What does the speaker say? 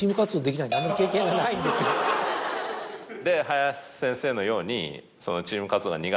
林先生のように。